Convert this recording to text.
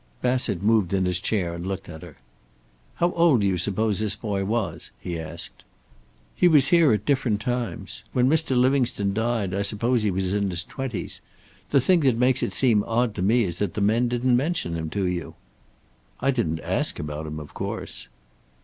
Bassett moved in his chair and looked at her. "How old do you suppose this boy was?" he asked. "He was here at different times. When Mr. Livingstone died I suppose he was in his twenties. The thing that makes it seem odd to me is that the men didn't mention him to you." "I didn't ask about him, of course."